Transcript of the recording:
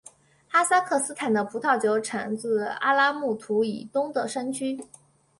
哈萨克斯坦的葡萄酒产自阿拉木图以东的山区。